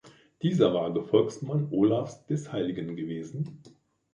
Dieser war Gefolgsmann Olavs des Heiligen gewesen.